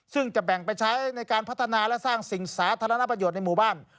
ซึ่งจะแบ่งไปใช้ในการพัฒนาและสร้างสิ่งสาธารณประโยชน์ในหมู่บ้าน